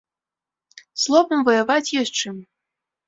Словам, ваяваць ёсць чым.